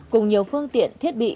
cùng nhiều phương tiện thiết bị